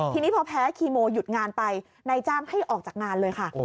ทีนี้พอแพ้คีโมหยุดงานไปนายจ้างให้ออกจากงานเลยค่ะ